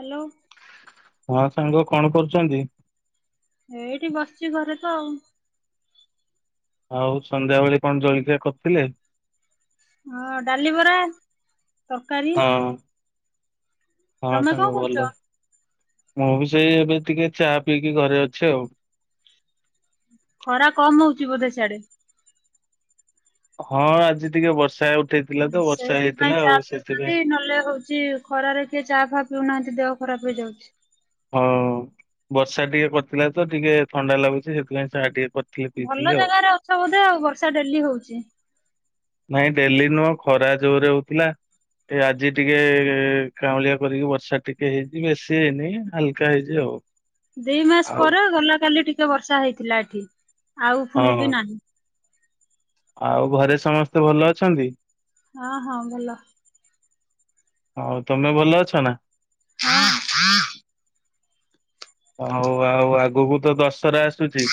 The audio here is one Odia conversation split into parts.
ହାଲୋ ହଁ ସାଙ୍ଗ କଣ କରୁଛନ୍ତି ଏଇଠି ବସିଛି ଘରେ ତ ଆଉ ଆଉ ସନ୍ଧ୍ୟାବେଳେ କଣ ଜଳଖିଆ କରିଥିଲେ ହଁ ଡାଲି ବରା ତରକାରୀ ହଁ ହଁ ତମେ କଣ ସାଙ୍ଗ କରୁଛ? ଭଲ ମୁଁ ବି ସେଇ ଏବେ ଟିକେ ଚା ପିଇକି ଘରେ ଅଛି ଆଉ ଖରା କମ ହଉଛି ବୋଧେ ସିଆଡେ ହଁ ଆଜି ଟିକେ ବର୍ଷା ଉଠେଇଥିଲା ତ ବର୍ଷା ହେଇଥିଲା ସେଇଥିପାଇଁ ଚା ଆଉ ସେଥିପାଇଁ ପିଉଛନ୍ତି ନହେଲେ ହଉଛି ଖରାରେ କିଏ ଚା ପିଉନାହାନ୍ତି ଦେହ ଖରାପ ହେଇଯାଉଛି ହଁ ବର୍ଷା ଟିକେ କରିଥିଲା ତ ଟିକେ ଥଣ୍ଡା ଲାଗୁଛି ସେଥିପାଇଁ ସେ ଟିକେ କରିଥିଲି ପିଇଥିଲି ଭଲ ଆଉ। ଜାଗାରେ ଅଛ ବୋଧେ ଆଉ ବର୍ଷା ଡେଲି ହଉଛି ନାଇଁ ଡେଲି ନୁହଁ ଖରା ଜୋରେ ହଉଥିଲା ଏ ଆଜି ଟିକେ କାଉଁଳିଆ କରିକି ବର୍ଷା ଟିକେ ହେଇଛି ବେଶୀ ହେଇନି ହଲକା ହେଇଛି ଆଉ। ଦି ମାସ ଆଉ ପରେ ଗଲା କାଲି ଟିକେ ବର୍ଷା ବର୍ଷା ହେଇଥିଲା ଏଠି ଆଉ ପୁଣି ହଁ ବି ନାହିଁ। ଆଉ ଘରେ ସମସ୍ତେ ଭଲ ଅଛନ୍ତି? ହଁ ହଁ ଭଲ। ହଉ ତମେ ଭଲ ଅଛ ନା? ହଁ ହଉ ଆଉ ଆଗକୁ ତ ଦଶହରା ଆସୁଛି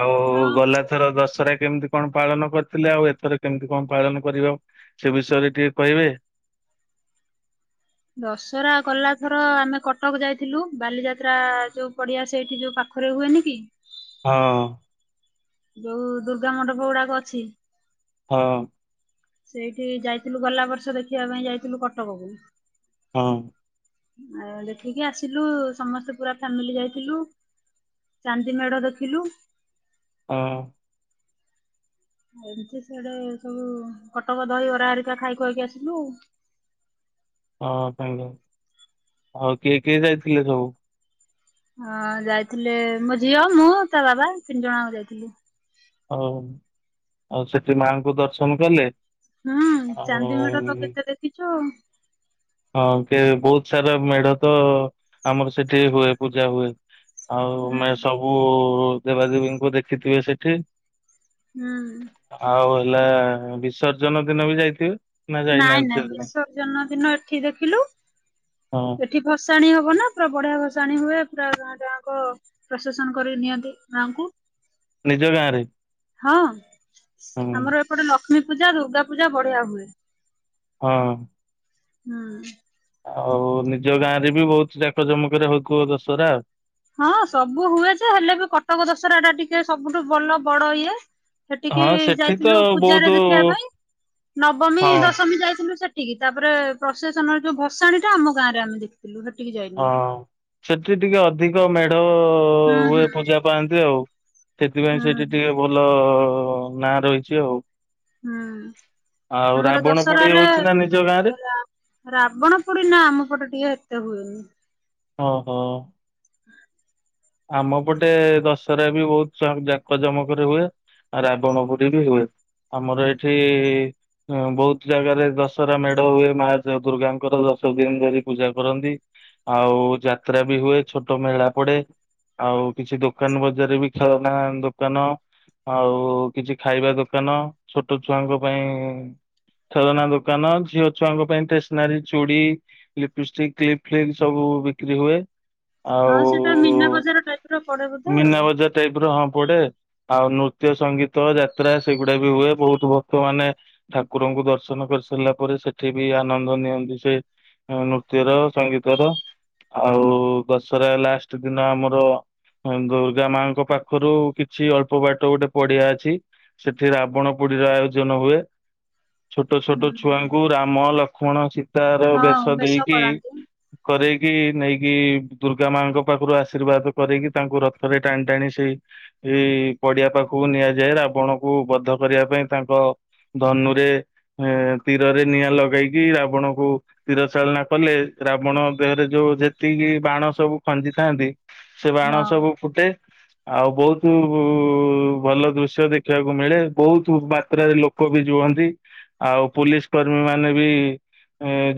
ଆଉ ହଁ ଗଲାଥର ଦଶହରା କେମିତି କଣ ପାଳନ କରିଥିଲେ ଆଉ ଏଥର କେମିତି କଣ ପାଳନ କରିବା ସେ ବିଷୟରେ ଟିକେ କହିବେ? ଦଶହରା ଗଲାଥର ଆମେ କଟକ ଯାଇଥିଲୁ ବାଲିଯାତ୍ରା ଯୋଉ ପଡିଆ ସେଠି ଯୋଉ ପାଖରେ ହୁଏନି କି? ହଁ। ଯୋଉ ଦୁର୍ଗା ମଣ୍ଡପ ଗୁଡାକ ଅଛି। ହଁ। ସେଇଠି ଯାଇଥିଲୁ ଗଲା ବର୍ଷ ଦେଖିବା ପାଇଁ ଯାଇଥିଲୁ କଟକକୁ ହଁ। ଆଉ ଦେଖିକି ଆସିଲୁ ସମସ୍ତେ ପୁରା ଫ୍ୟାମିଲି ଯାଇଥିଲୁ ଚାନ୍ଦି ମେଢ ଦେଖିଲୁ। ହଁ। ଏମିତି ସେଆଡେ ସବୁ କଟକ ଦହିବରା ହେରିକା ଖାଇ ଖୁଆକି ଆସିଲୁ। ହଁ କିଏ କିଏ ଯାଇଥିଲେ ସବୁ? ହଁ ଯାଇଥିଲେ ମୋ ଝିଅ ମୁଁ ତା ବାବା ତିନି ଜଣ ଯାଇଥିଲୁ। ହଉ ଆଉ ସେଠି ମାଙ୍କୁ ଦର୍ଶନ କଲେ? ହୁଁ ଆଉ ଚାନ୍ଦିମେଢ ତ କେତେ ଦେଖିଛୁ। ହଁ କେ ବହୁତ ସାରା ମେଢ ତ ଆମର ସେଠି ହୁଏ ପୂଜା ହୁଏ। ଆଉ ହୁଁ ମେ ସବୁ ଦେବାଦେବୀଙ୍କୁ ଦେଖିଥିବେ ସେଠି? ହୁଁ ଆଉ ହେଲା ବିସର୍ଜନ ଦିନ ବି ଯାଇଥିବେ? ନା ନାଇଁ ଯାଇନାହାନ୍ତି ନାଇଁ ସେଦିନ? ବିସର୍ଜନ ଦିନ ଏତେ ଏଠି ଦେଖିଲୁ ହଁ ଏଠି ଭସାଣି ହବ ନା ପୁରା ବଢିଆ ଭସାଣି ହୁଏ ପୁରା ଗାଁ ଟା ଯାକ ପ୍ରସେସନ କରି ନିଅନ୍ତି ଗାଁକୁ। ନିଜ ଗାଁ ରେ? ହଁ ଆମର ଏପଟେ ଲ ଲକ୍ଷ୍ମୀ ପୂଜା ଦୁର୍ଗା ପୂଜା ବଢିଆ ହୁଏ। ହଁ ହୁଁ ଆଉ ନିଜ ଗାଁ ରେ ବି ବହୁତ ଜାକ ଜମକରେ ହଉଥିବ ଦଶହରା। ହଁ ସବୁ ହୁଏ ଯେ ହେଲେ ବି କଟକ ଦଶହରା ଟା ଟିକେ ସବୁଠୁ ଭଲ ବଡ ଇଏ। ସେଠିକି ହଁ ସେଠି ତ ଯାଇଥିଲୁ ବହୁତ ପୂଜାରେ ଦେଖିବା ପାଇଁ ନବମୀ ହଁ ଦଶମୀ ଯାଇଥିଲୁ ସେଠି ଟି ତାପରେ ପ୍ରଶେସନର ଯୋଉ ଭସାଣି ଟା ଆମ ଗାଁରେ ଆମେ ଦେଖୁ। ହଁ ସେଠି ଟିକେ ଧିକ ମେଢ଼ ତ ହୁଁ ହୁଁ ହୁଏ ପୂଜା ପାଆନ୍ତି ଆଉ। ସେଥିପାଇଁ ହୁଁ ସେଇଠି ଟିକେ ଭଲ ଅ ନାଁ ରହିଚି ଆଉ ହୁଁ ଆଉ ଆମର ରାବଣ ପୋଡି ଦଶରାରେ ହଉଛି ନା ନିଜ ଗାଁ ରେ? ରା ରାବଣ ପୋଡି ନା ଆମ ପଟେ ଟିକେ ହେତେ ହୁଏନି। ଅ ହ ଆମ ପଟେ ଦଶହରା ବି ବହୁତ ଜାକ ଜମକରେ ହୁଏ ଆଉ ରାବଣ ପୁରୀ ବି ହୁଏ ଆମର ଏଠି ବହୁତ ଜାଗାରେ ଦଶହରା ମେଢ ହୁଏ ମା ଦୁର୍ଗାଙ୍କର ଦଶ ଦିନ ଧରି ପୂଜା କରନ୍ତି ଆଉ ଯାତ୍ରା ବି ହୁଏ ଛୋଟ ମେଳା ପଡେ। ଆଉ କିଛି ଦୋକାନ ବଜାର ବି ଖେଳନା ଦୋକାନ ଆଉ କିଛି ଖାଇବା ଦୋକାନ ଛୋଟ ଛୁଆଙ୍କ ପାଇଁ ଖେଳନା ଦୋକାନ ଝିଅ ଛୁଆଙ୍କ ପାଇଁ ଷ୍ଟେସନାରୀ ଚୁଡ଼ି ଲିପିଷ୍ଟିକ କ୍ଲିପ ଫିପ ସବୁ ବିକ୍ରି ହୁଏ। ହଁ ସେଟା ମୀନା ଆଉ ବଜାର ଟେ। ମୀନା ବଜାର ଟାଇପ ର ହଁ ପଡେ। ଆଉ ନୃତ୍ୟ ସଙ୍ଗୀତ ଯାତ୍ରା ସେଗୁଡା ବି ହୁଏ ବହୁତ ଭକ୍ତ ମାନେ ଠାକୁରଙ୍କୁ ଦର୍ଶନ କରିସାରିଲା ପରେ ସେଠି ବି ଆନନ୍ଦ ନିଅନ୍ତି ସେ ନୃତ୍ୟର ସଙ୍ଗୀତର ଆଉ ଦଶହରା ଲାଷ୍ଟ ଦିନ ଆମର ଦୁର୍ଗା ମାଙ୍କ ପାଖରୁ କିଛି ଅଳ୍ପ ବାଟ ଗୋଟେ ପଡିଆ ଅଛି ସେଠି ରାବଣ ପୋଡିର ଆୟୋଜନ ହୁଏ। ଛୋଟ ଛୋଟ ହୁଁ ଛୁଆଙ୍କୁ ରାମ ଲକ୍ଷ୍ମ ଖଣ ଅଛି। ତାର ହଁ ବେଶ ଦେଇକି କରାନ୍ତି କରେଇ କି ନେଇକି ଦୁର୍ଗା ମାଙ୍କ ପାଖରୁ ଆଶୀର୍ବାଦ କରିକି ତାଙ୍କୁ ରଥରେ ଟାଣି ଟାଣି ସେଇ ଏଇ ପଡିଆ ପାଖକୁ ନିଆଯାଏ ରାବଣକୁ ବଧ କରିବା ପାଇଁ ତାଙ୍କ ଧନୁରେ ତୀରରେ ନିଆଁ ଲଗେଇକି ରାବଣଙ୍କୁ ତୀର ଚାଳନା କଲେ ରାବଣ ଦେହରେ ଯୋଉ ଯେତିକି ବାଣ ସବୁ ଖଞ୍ଜି ଥାନ୍ତି। ସେ ହଁ ବାଣ ସବୁ ଫୁଟେ। ଆଉ ବହୁତ ଭଲ ଦୃଶ୍ୟ ଦେଖିବାକୁ ମିଳେ ବହୁତ ମାତ୍ରାରେ ଲୋକ ବି ଯୁହନ୍ତି ଆଉ ପୁୋଲିସ କର୍ମୀ ମାନେ ବି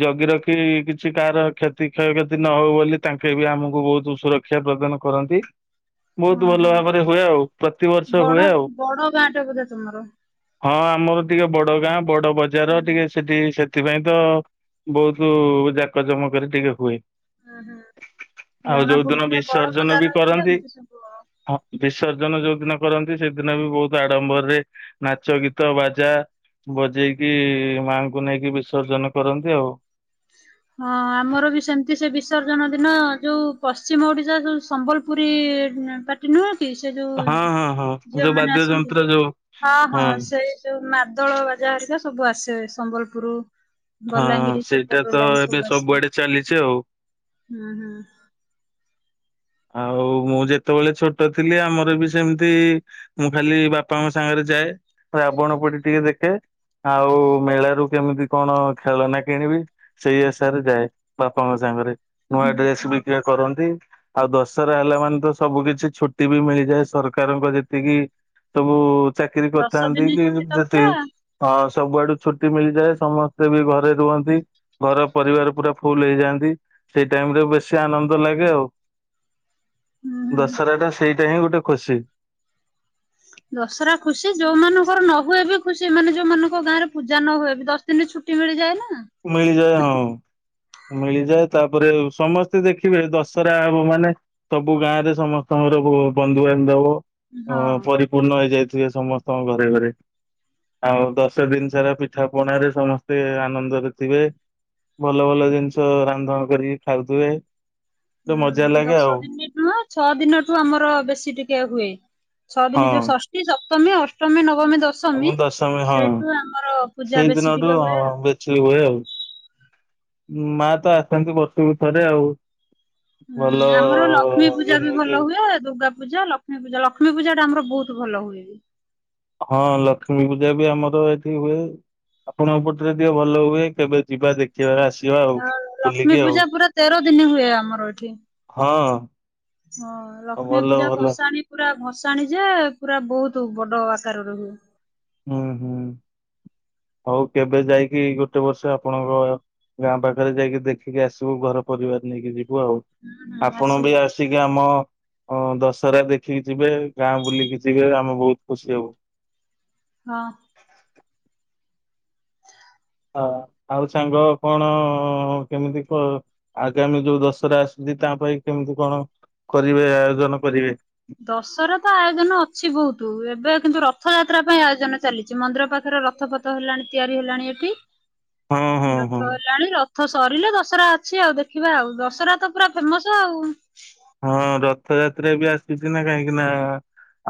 ଜଗି ରଖି କିଛି କାହାର କ୍ଷତି କ୍ଷୟ କତି ନ ହଉ ବୋଲି ତାଙ୍କେ ବି ଆମକୁ ବହୁତ ସୁରକ୍ଷା ଶିକ୍ଷା ପ୍ରଦାନ କରନ୍ତି। ହଁ ବହୁତ ଭଲ ହଁ। ଭାବରେ ହୁଏ ଆଉ ପ୍ରତିବର୍ଷ ବଡ ହୁଏ ଆଉ ବଡ ଗାଁ ଟେ ବୋଧେ ତୁମର? ହଁ ଆମର ଟିକେ ବଡ ଗାଁ ବଡ ବଜାର ଟିକେ ସେଠି ସେ ସେଥିପାଇଁ ତ ବହୁତ ଯାକ ଜମକରେ ଟିକେ ହୁଏ। ହୁଁ ହୁଁ ଆଉ ଜଣା ଯୋଉ ଦିନ ପଡୁଥିଲା। ବଡ ବିସର୍ଜନ ବଜାର ବି ହେଇଥିଲା କରନ୍ତି ଏମିତି ସବୁ ଆଉ। ବିସର୍ଜନ ଯୋଉ ଦିନ କରନ୍ତି ସେଦିନ ବି ବହୁତ ଆଡମ୍ବରରେ ନାଚ ଗୀତ ବାଜା ବଜେଇକି ମାଙ୍କୁ ନେଇକି ବିସର୍ଜନ କରନ୍ତି ଆଉ ହଁ ଆମର ବି ସେମିତି ସେ ବିସର୍ଜନ ଦିନ ଯୋଉ ପଶ୍ଚିମ ଓଡିଶା ଯ ସମ୍ବଲପୁରୀ ପାଟି ନୁହେଁ। ସେ ଯୋଉ ହଁ ହଁ ହଁ ଝିଅ ଯୋଉ ମାନେ ବାଦ୍ୟ ଆସନ୍ତି ଯନ୍ତ୍ର ଯୋଉ ହଁ ହଁ ସେ ଯୋଉ ମାଦଳ ବାଜାିକା ସବୁ ଆସିବ। ସମ୍ବଲପୁର ହଁ ବଲାଙ୍ଗିର ସେଇଟା ସେପଟ ତ ଲାଇନ ସବୁ ଏବେ ଆସେ ସବୁଆଡେ ଚାଲିଚେ ଆଉ ହୁଁ ହୁଁ ଆଉ ମୁଁ ଯେତେବେଳେ ଛୋଟ ଥିଲି ଆମର ବି ସେମିତି ମୁଁ ଖାଲି ବାପାଙ୍କ ସାଙ୍ଗରେ ଯାଏ ରାବଣ ପଟି ଟିକେ ଦେଖେ ଆଉ ମେଳାରୁ କେମିତି କଣ ଖେଳନା କିଣିବି ସେଇ ଆଶାରେ ଯାଏ ବାପାଙ୍କ ସାଙ୍ଗରେ ନୂଆ ହୁଁ ଡ୍ରେସ ହଉ। ବିକ୍ରି କରନ୍ତି। ଆଉ ଦଶହରା ହେଲା ମାନେ ତ ସବୁ କିଛି ଛୁଟି ବି ମିଳିଯାଏ ସରକାରଙ୍କ ଯେତିକି ସବୁ ଚାକିରୀ ଦଶ କରିଥାନ୍ତି ଦିନ କି ଛୁଟି ତ ଯଦି ପୁରା ଅ ସବୁଆଡୁ ଛୁଟି ମିଳିଯାଏ ସମସ୍ତେ ବି ଘରେ ରୁହନ୍ତି ଘର ପରିବାର ପୁରା ଫୁଲ ହେଇଯାଆନ୍ତି ସେଇ ଟାଇମ ରେ ବେଶୀ ଆନନ୍ଦ ଲାଗେ ଆଉ ହୁଁ ହୁଁ। ଦଶରା ଟା ସେଇ ତେହିିଁ ଗୋଟେ ଖୁସି ଦଶରା ଖୁସି ଯୋଉମାନଙ୍କର ନ ହୁଏ ବି ଖୁସି ମାନେ ଯୋଉମାନଙ୍କ ଗାଁରେ ପୂଜା ନ ହୁଏ ବି ଦଶ ଦିନରେ ଛୁଟି ମିଳିଯାଏ ନା କମେଇିଲ ଯା ହଁ ମିଳିଯାଏ ତାପରେ ସମସ୍ତେ ଦେଖିବେ ଦଶହରା ହବ ମାନେ ସବୁ ଗାଁ ରେ ସମସ୍ତଙ୍କର ବନ୍ଧୁବାନ୍ଧବ ଅ ହଁ। ପରିପୂର୍ଣ୍ଣ ହେଇଯାଇ ସମସ୍ତଙ୍କ ଘରେ ଘରେ ଆଉ ଦଶ ଦିନ ସାରା ପିଠା ପଣା ରେ ସମସ୍ତେ ଆନନ୍ଦରେ ଥିବେ ଭଲ ଭଲ ଜିନିଷ ରାନ୍ଧଣ କରି ଖାଉଥିବେ। ଗୋଟେ ମଜା ହୁଁ ଲାଗେ ଦଶ ଆଉ ଦିନ ନୁହଁ ଛଅ ଦିନ ଠୁ ଆମର ବେଶୀ ଟିକେ ହୁଏ। ଛଅ ଦିନ ଯୋଉ ଷଷ୍ଠୀ ଅଷ୍ଟମ ଅଷ୍ଟମୀ ନ ଆ ମୁ ଦଶମୀ ହଁ ପୂଜା ସେଇ ବେଶୀ ଦିନଠୁ ଟିକେ ହୁଏ ଆଉ। ହଁ ବଚିଲି ହୁଏ ଆଉ ମା ତ ଆସନ୍ତି ବର୍ଷକୁ ଥରେ ଆଉ ହୁଁ ଭଲ ଆମର ଲକ୍ଷ୍ମୀ ଇଏ ପୂଜା ବି ନେଇକି ଭଲ ହୁଏ ଦୁର୍ଗା ପୂଜା ଲକ୍ଷ୍ମୀ ପୂଜା ଲକ୍ଷ୍ମୀ ପୂଜା ଆମର ବହୁତ ଭଲ ହୁଏ। ହଁ ଲକ୍ଷ୍ମୀ ପୂଜା ବି ଆମର ଏଠି ହୁଏ ଆପଣଙ୍କ ପଟରେ ଟିକେ ଭଲ ହୁଏ କେବେ ଯିବା ଦେଖିବାକୁ ଆସ ଆ ଲକ୍ଷ୍ମୀ ପୂଜା ପୁରା ତେର ଦିନ ହୁଏ ଆମର ଏଇଠି। ହଁ ହଁ ଲକ୍ଷ୍ମୀ ଭଲ ପୂଜା ଭଲ ବସାଣିି ପୁରା। ବସାଣି ଯେ ପୁରା ବହୁତ ବଡ ଆକାର ର ହଏ। ହୁଁ ହୁଁ ହଉ କେବେ ଯାଇକି ଗୋଟେ ବର୍ଷ ଆପଣଙ୍କ ଗାଁ ପାଖରେ ଯାଇକି ଦେଖିକି ଆସିବୁ ଘର ପରିବାର ନେଇକି ଯିବୁ। ଆଉ ହୁଁ ଆପଣ ଆସିବେ ବି ଆସିକି ଆମ ହଁ ଦଶହରା ଦେଖିକି ଯିବେ ଗାଁ ବୁଲିକି ଯିବେ ଆମେ ବହୁତ ଖୁସି ହବୁ । ହଁ। ହଁ ଆଉ ସାଙ୍ଗ କଣ କେମିତି ଆଗାମୀ ଯୋଉ ଦଶହରା ଆସୁଛି ତା ପାଇଁ କେମିତି କଣ କରିବେ ଆୟୋଜନ କରିବେ? ଦଶରା ତ ଆୟୋଜନ ଅଛି ବହୁତ ଏବେ। କିନ୍ତୁ ରଥଯାତ୍ରା ପାଇଁ ଆୟୋଜନ ଚାଲିଛି ମନ୍ଦିର ପାଖରେ ରଥପଥ ହେଲାଣି ତିଆରି ହେଲାଣି ଏଠି। ହଁ ହଁ ହଁ ରଥଲାଣି ରଥ। ଥ ସରିଲେ ଦଶହରା ଅଛି ଆଉ ଦେଖିବା ଆଉ ଦଶରା ତ ପୁରା ଫେମସ ଆଉ। ଯାତ୍ରା ବି ଆସିୁଛି ନା କାହିଁକି ନା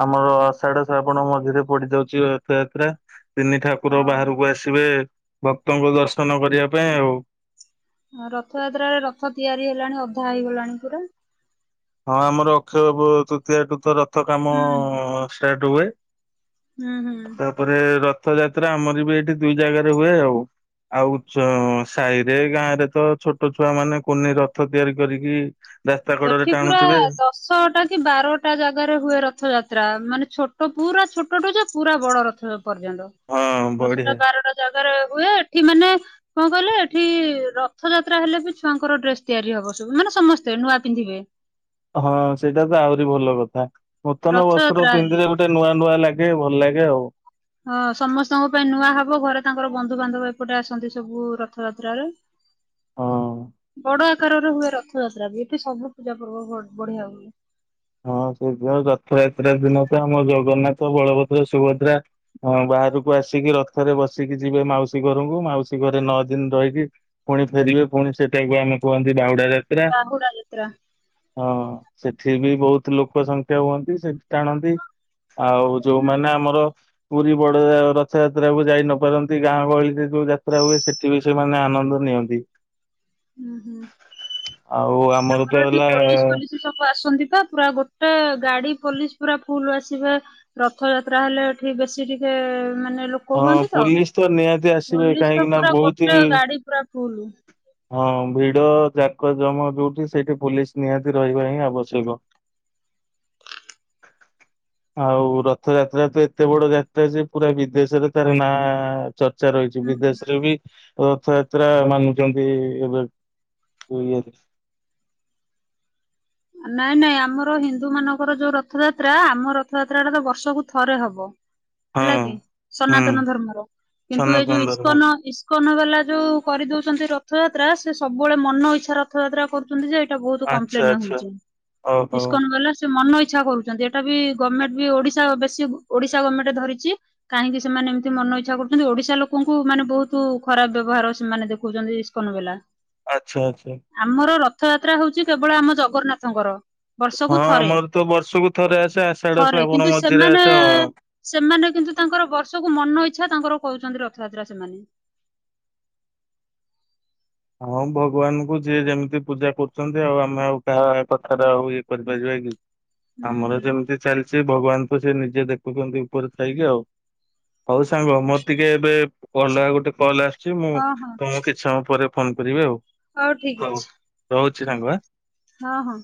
ଆମର ଆଷାଢ ଶ୍ରାବଣ ମଝିରେ ପଡିଯାଉଛି ରଥଯାତ୍ରା। ତିନି ଠାକୁର ହଁ। ବାହାରକୁ ଆସିବେ। ଭକ୍ତଙ୍କୁ ଦର୍ଶନ କରିବା ପାଇଁ ଆଉ। ହ ରଥଯାତ୍ରାରେ ରଥ ତିଆରି ହେଲାଣି। ଅଧା ହେଇଗଲାଣି ପୁରା। ହଁ ଆମର ଅକ୍ଷୟ ବ ତୁତୀୟା ଟୁତ। ତ କାମ ହୁଁ ସେ ରୁହେ। ହୁଁ ହୁଁ। ତାପରେ ର ରଥଯାତ୍ରା ଆମର ବି ଏଇଠି ଦୁଇ ଜାଗାରେ ହୁଏ ଆଉ ଆଉ ସାହିରେ ଗାଁ ରେ ତ ଛୋଟ ଛୁଆ ମାନେ କୁନି ରଥ ତିଆରି କରିକି ରାସ୍ତା କୋଡରରେ। ଏଠି ପୁରା ଦଶଟା କି ବାରଟା ଜାଗାରେ ହୁଏ ରଥଯାତ୍ରା। ମାନେ ଛୋଟ ପୁରା ଛୋଟଟୁ ଯ ପୁରା ବଡ ରଥ। ପର୍ଯ୍ୟନ୍ତ ହଁ ଦଶଟା ବଢିଆ। ବାରଟା ଜାଗାରେ ହୁଏ ଏଠି ମାନେ କଣ କହିଲେ ଏଠି ରଥଯାତ୍ରା ହେଲେ ବି ଛୁଆଙ୍କର ଡ୍ରେସ ତିଆରି ହବ ସବୁ ମାନେ ସମସ୍ତେ ନୂଆ ପିନ୍ଧିବେ। ହଁ ସେଇଟା ତ ଆହୁରି ଭଲ କଥା। ନୂତନ ବସ୍ତ୍ର ରଥଯାତ୍ରା ହେଲେ ପିନ୍ଧିଲେ ଗୋଟେ ନୂଆ ନୁଆ ଲାଗେ ଭଲ ଲାଗେ ଆଉ। ହଁ ସମସ୍ତଙ୍କ ପାଇଁ ନୂଆ ହବ ଘରେ ତାଙ୍କର ବନ୍ଧୁ ବାନ୍ଧବ ଏପଟେ ଆସନ୍ତି ସବୁ ରଥଯାତ୍ର ରେ। ହଁ। ବଡ ଆକାରରେ ହୁଏ ରଥଯାତ୍ରା ବି ଏଠି ସବୁ ପୂଜା ପର୍ବ ବଢିଆ ହୁଏ। ହଁ ସେଇଥି ଆଉ ରଥଯାତ୍ରା ଦିନ ତ ଆମ ଜଗନ୍ନାଥ ବଳଭଦ୍ର ସୁଭଦ୍ରା ବାହାରକୁ ଆସିକି ରଥରେ ବସିକି ଯିବେ ମାଉସୀ ଘରକୁ ମାଉସୀ ଘରେ ନଅ ଦିନ ରହିକି ପୁଣି ଫେରିବେ ପୁଣି ସେଟାକୁ ଆମେ କୁହନ୍ତି ବାହୁଡା ଯାତ୍ରା ବାହୁଡା ଯ। ତ୍ରା। ହଁ ସେଠି ବି ବହୁତ ଲୋକ ସଂଖ୍ୟା ହୁଅନ୍ତି ସେଠୀ ଟାଣନ୍ତି ଆଉ ହୁଁ। ଯୋଉମାନେ ଆମର ପୁରୀ ବଡ ରଥଯାତ୍ରାକୁ ଯାଇ ନପାରନ୍ତି ଗାଁ ଗହଳିରେ ଯୋଉ ଯାତ୍ରା ହୁଏ ସେଠି ବି ସେମାନେ ଆନନ୍ଦ ନିଅନ୍ତି। ହୁଁ ହୁଁ। ଆଉ ଆମର ତ ଏଠି ହେଲା ପୋଲିସ ଫୋଲିସ ସବୁ ଆସନ୍ତି ପା ପୁରା ଗୋଟେ ଗାଡି ପୋଲିସ ପୁରା ଫୁଲ ଆସିବେ ରଥଯାତ୍ରା ହେଲେ ଏଠି ବେଶୀ ଟିକେ ମାନେ ଲୋକ ହଁ ହୁଅନ୍ତି ତ ପୋଲିସ ନିହାତି ଆସିବେ ପୋଲିସ ଟା କାହିଁକି ନା ପୁରା ବହୁତ ଗୋଟେ ଗାଡି ପୁରା ଫୁଲ। ହଁ ଭିଡ ଯାକ ଜମା ଯୋଉଠି ସେଇଠି ପୋଲିସ ନିହାତି ରହିବା ହିଁ ଆବଶ୍ୟକ ।ଆଉ ରଥ ଯାତ୍ରା ତ ଏତେ ବଡ ଯାତ୍ରା ଯେ ପୁରା ଦେଶରେ ତାର ନାଁ ଚର୍ଚ୍ଚା ରହିଛି ହୁଁ ହୁଁ। ବିଦେଶରେ ବି ରଥ ଯାତ୍ରା ମାନୁଛନ୍ତି ଏବେବି ନାଇଁ ନାଇଁ ଆମର ହିନ୍ଦୁ ମାନଙ୍କର ଯୋଉ ରଥଯାତ୍ରା ଆମ ରଥଯାତ୍ରା ଟା ତ ବର୍ଷକୁ ଥରେ ହବ। ହେଲା ହଁ। କି ହୁଁ ସନାତନ ଧର୍ମର କିନ୍ତୁ ଏ ସନାତନ ଯୋଉ ଧର୍ମ ଇସ୍କନ ଇସ୍କନ ବାଲା ଯୋଉ କରିଦଉଛନ୍ତି ରଥଯାତ୍ରା ସେ ସବୁବେଳେ ମନ ଇଚ୍ଛା ରଥଯାତ୍ରା କରୁଛନ୍ତି ଯେ ବହୁତ ଆଚ୍ଛା କମ୍ପ୍ଲେନ ଆଚ୍ଛା ହଉଛି। ଓହୋ ଇସ୍କନ ବାଲା ମନ ଇ ଇଛା କରୁଛନ୍ତି ଏଟା ବି ଗଭର୍ଣ୍ଣମେଣ୍ଟ ବି ଓଡିଶା ବେଶୀ ଓଡିଶା ଗଭର୍ଣ୍ଣମେଣ୍ଟ ଧରିଛି, କାହିଁକି ସେମାନେ ଏମିତି ମନ ଇଚଛା କରୁଛନ୍ତି ଓଡିଶା ଲୋକଙ୍କୁ ମାନେ ବହୁତ ଖରାପ ବ୍ୟବହାର ସେମାନେ ଦେଖଉଛନ୍ତି ଇସ୍କନ ବାଲା। ଆଛା ଆଛା। ଆମର ରଥଯାତ୍ରା ହଉଛି କେବଳ ଆମ ଜଗନ୍ନାଥ ଙ୍କର । ବର୍ଷକୁ ହଁ ଥରେ, ଆମର ତ ବର୍ଷକୁ ଥରେ ଆସେ ଆଷାଢ ଥରେ ଶ୍ରାବଣ କିନ୍ତୁ ମଝିରେ ସେମାନେ ଆସେ ହଁ। ସେମାନେ କିନ୍ତୁ ତାଙ୍କର ବର୍ଷକୁ ମନ ଇଚ୍ଛା ତାଙ୍କର କହୁଛନ୍ତି ରଥଯାତ୍ରା ସେମାନେ। ହଁ ଭଗବାନଙ୍କୁ ଯିଏ ଯେମିତି ପୂଜା କରୁଛନ୍ତି ଆଉ ଆମେ ଆଉ କାହା କଥାର ଆଉ ଇଏ କରିପାରିବା କି? ହୁଁ ଆମର ହୁଁ। ଯେମିତି ଚାଲିଛି ଭଗବାନ ସେ ନିଜେ ଦେଖୁଛନ୍ତି ଉପରେ ଥାଇକି ଆଉ, ହଉ ସାଙ୍ଗ ମୋର ଟିକେ ଏବେ ଅଲଗା ଗୋଟେ କଲ ଆସ ସେ ମୁଁ ହଁ ହଁ ତମକୁ କିଛି ସମୟ ପରେ ଫୋନ୍ କରିବି ଆଉ। ହଉ ଠିକ ଅଛି। କିଛି ସାଙ୍ଗ ହାଁ? ହଁ ହଁ।